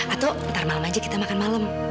atau ntar malem aja kita makan malem